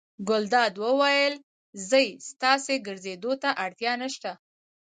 ګلداد وویل: ځئ ستاسې ګرځېدو ته اړتیا نه شته.